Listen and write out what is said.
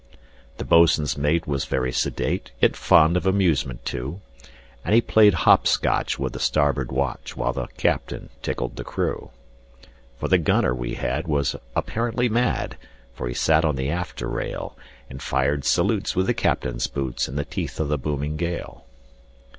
The boatswain's mate was very sedate, Yet fond of amusement, too; And he played hop scotch with the starboard watch, While the captain tickled the crew. And the gunner we had was apparently mad, For he sat on the after rail, And fired salutes with the captain's boots, In the teeth of the booming gale.